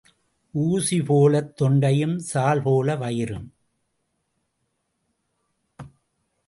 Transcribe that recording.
ஊசி போலத் தொண்டையும் சால் போல வயிறும்.